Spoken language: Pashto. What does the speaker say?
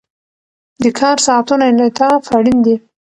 د کار ساعتونو انعطاف اړین دی.